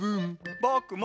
ぼくも。